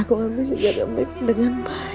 aku gak bisa jaga mik dengan baik